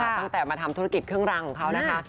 ตั้งแต่มาทำธุรกิจเครื่องรางของเขานะคะ